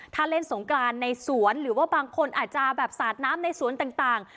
ถ้าเล่นสงกรานในสวนหรือว่าบางคนอาจจะแบบสาดน้ำในสวนต่าง